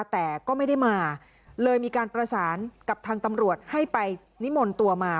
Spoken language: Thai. แต่ก็ไม่ได้มาเลยมีการประสานกับทางตำรวจให้ไปนิมนต์ตัวมา